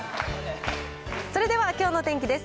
それではきょうの天気です。